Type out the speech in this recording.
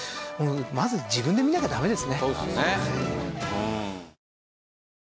まず自分で見なきゃダメですね。